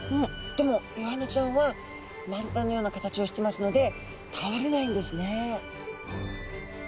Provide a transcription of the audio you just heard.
でもイワナちゃんは丸太のような形をしてますので倒れないんですね。